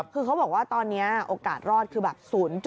คือเขาบอกว่าตอนนี้โอกาสรอดคือแบบ๐